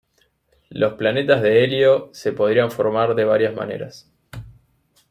Los planetas de helio se podrían formar de varias maneras.